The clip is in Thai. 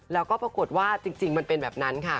แล้วก็ปรากฏว่าจริงมันเป็นแบบนั้นค่ะ